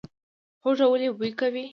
هوږه ولې بوی کوي؟